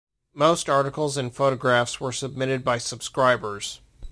Most articles and photographs were submitted by subscribers.